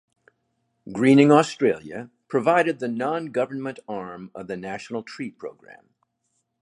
Greening Australia provided the non-government arm of the National Tree Program.